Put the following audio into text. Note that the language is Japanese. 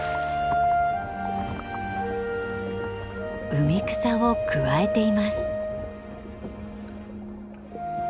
海草をくわえています。